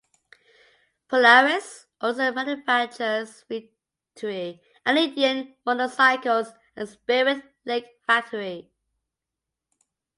Polaris also manufactures Victory and Indian motorcycles at the Spirit Lake factory.